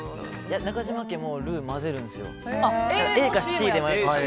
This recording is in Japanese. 中島家もルーを混ぜるんです。